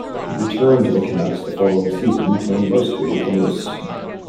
He returned to the Canucks the following season playing mostly with the Moose.